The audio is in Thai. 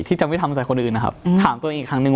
ที่จะไม่ทำใจคนอื่นนะครับถามตัวเองอีกครั้งนึง